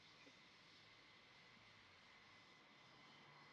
Njia ya kukabiliana na ugonjwa wa kuoza kwato ni kuondoa tope maeneo ya kufungia wanyama